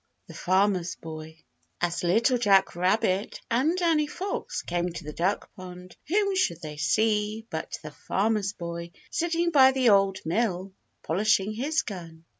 THE FARMER'S BOY As Little Jack Rabbit and Danny Fox came to the Duck Pond, whom should they see but the Farmer's Boy sitting by the Old Mill polishing his gun.